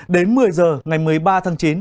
đến một mươi h ngày một mươi ba tháng chín